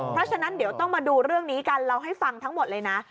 เพราะฉะนั้นเดี๋ยวต้องมาดูเรื่องนี้กันเราให้ฟังทั้งหมดเลยนะ